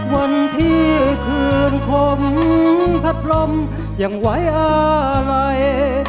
วันที่คืนคมพัดพร่อมยังไหว้อะไร